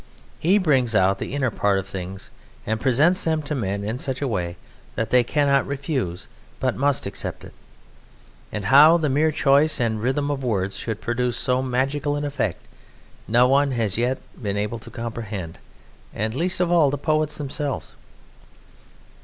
He brings out the inner part of things and presents them to men in such a way that they cannot refuse but must accept it. But how the mere choice and rhythm of words should produce so magical an effect no one has yet been able to comprehend, and least of all the poets themselves.